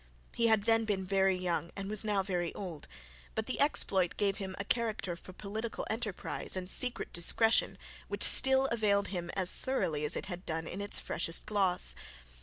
He had then been very young and was now very old, but the exploit gave him a character for political enterprise and secret discretion which still availed him as thoroughly as it had done in its freshest gloss.